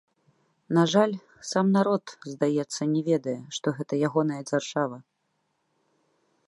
На жаль, сам народ, здаецца, не ведае, што гэта ягоная дзяржава.